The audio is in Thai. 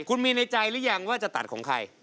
คุณมีในใจหรือยังว่าจะตัดของใคร